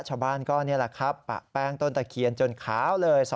ชาวบ้านก็นี่แหละครับปะแป้งต้นตะเคียนจนขาวเลย